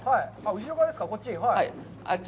後ろ側ですか、こっち。